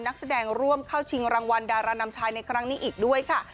นักแสดงร่วมเข้าชิงรางวัลดารานำชายในครั้งนี้อีกด้วยค่ะ